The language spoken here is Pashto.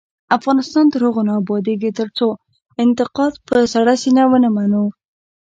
افغانستان تر هغو نه ابادیږي، ترڅو انتقاد په سړه سینه ونه منو.